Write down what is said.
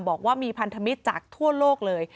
บอกว่ามีพันธมิตรจากทั่วโลกเลย